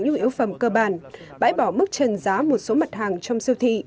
nhu yếu phẩm cơ bản bãi bỏ mức trần giá một số mặt hàng trong siêu thị